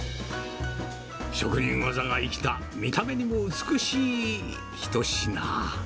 職人技が生きた見た目にも美しい一品。